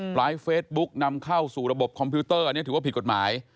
ไลฟ์เฟซบุ๊กนำเข้าสู่ระบบคอมพิวเตอร์อันนี้ถือว่าผิดกฎหมาย